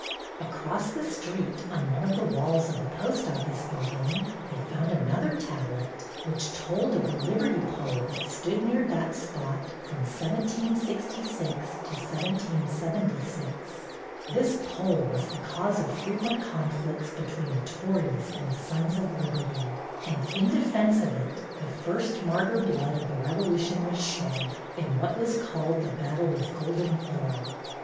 Across the street, on one of the walls of the post office building, they found another tablet. HISTORY CLUB VISITS NEW YORK 249 which told of the liberty pole that stood near that spot from 1766 to 1776. This pole was the cause of frequent conflicts between the Tories and the Sons of Liberty, and in defence of it the first martyr blood of the Revolution was shed in what was called the battle of Golden Hill.